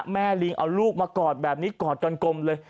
ลิงเอาลูกมากอดแบบนี้กอดกันกลมเลย